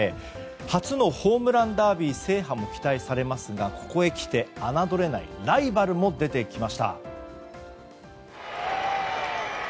初のホームランダービー制覇も期待されますがここへきて侮れないライバルも出てきました。